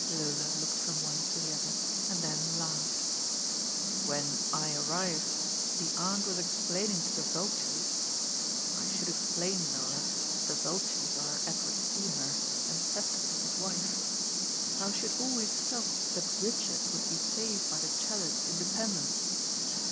Lola looked from one to the other, and then laughed. "When I arrived the Aunt was explaining to the Vultures— I should explain, Lola, that the Vultur.* are Edward Seymour and Cecily, his wife— how she had always felt that Richard would be saved by the Challice independence.